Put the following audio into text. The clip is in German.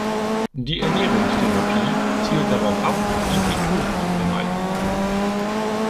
Die Ernährungstherapie zielt darauf ab, die Ketose zu vermeiden.